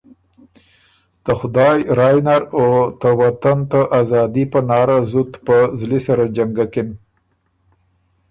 ته خدایٛ رایٛ نر او ته وطن ته آزادي پناره زُت په زلی سره جنګکِن